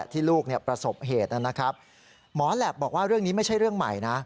ที่ลูกประสบเหตุนะครับหมอแหลปบอกว่าเรื่องนี้ไม่ใช่เรื่องใหม่นะ